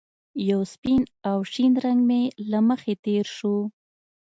یو شین او سپین رنګ مې له مخې تېر شو